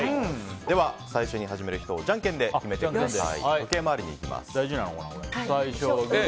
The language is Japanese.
では最初に始める人をじゃんけんで決めてください。